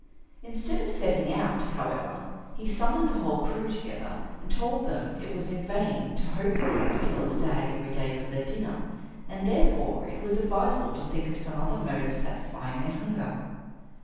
Instead of setting out, however, he summoned the whole crew together, and told them it was in vain to hope that he could kill a stag every day for their dinner, and therefore it was advisable to think of some other mode of satisfying their hunger.